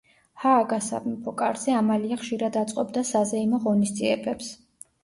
ჰააგას სამეფო კარზე ამალია ხშირად აწყობდა საზეიმო ღონისძიებებს.